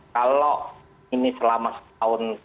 kalau ini selama setahun